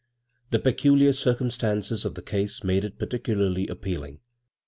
The peculiar drcumstances of the case made it particularly appealing.